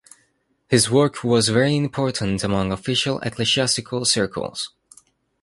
His work was very important among official ecclesiastical circles.